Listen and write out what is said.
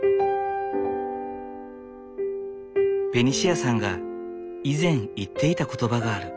ベニシアさんが以前言っていた言葉がある。